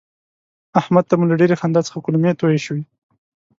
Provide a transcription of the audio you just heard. احمد ته مو له ډېرې خندا څخه کولمې توی شوې.